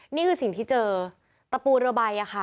นี่คือสิ่งที่เจอตะปูเรือใบค่ะ